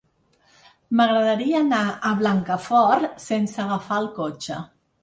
M'agradaria anar a Blancafort sense agafar el cotxe.